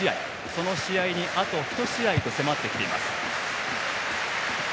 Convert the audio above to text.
その試合にあと１試合と迫ってきています。